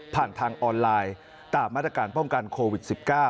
ผ่านทางออนไลน์ตามมาตรการป้องกันโควิด๑๙